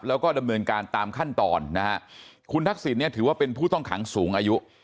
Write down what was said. แล้วก็ดำเนินการตามขั้นตอนนะฮะคุณทักษิณเนี่ยถือว่าเป็นผู้ต้องขังสูงอายุ